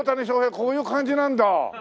こういう感じなんだ。